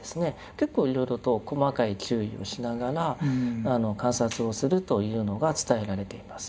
結構いろいろと細かい注意をしながら観察をするというのが伝えられています。